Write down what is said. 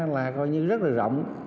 là coi như rất là rộng